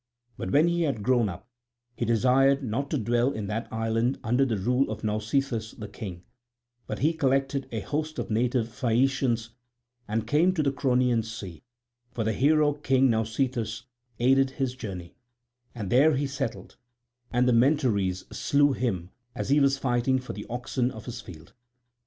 But when he had grown up he desired not to dwell in that island under the rule of Nausithous the king; but he collected a host of native Phaeacians and came to the Cronian sea; for the hero King Nausithous aided his journey, and there he settled, and the Mentores slew him as he was fighting for the oxen of his field.